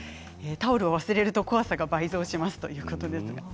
タオルを忘れると怖さが倍増しますということです。